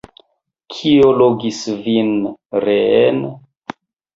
Kio logis vin reen?